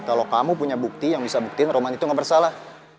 kalau kamu punya bukti yang bisa buktiin roman itu gak bersalah